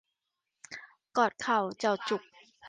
กอดเข่าเจ่าจุก